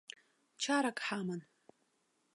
Чарак ҳаман.